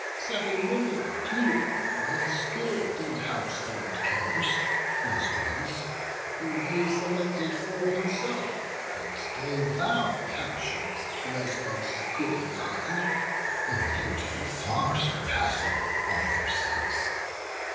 Sev'n women too, well skill'd in household cares, Lesbians, whom he selected for himself, That day thou captur'dst Lesbos' goodly isle, In beauty far surpassing all their sex.